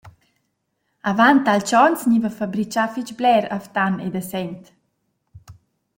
Avant alch ons gniva fabrichà fich bler a Ftan ed a Sent.